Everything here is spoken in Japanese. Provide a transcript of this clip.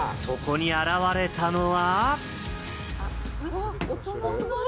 そこに現れたのは。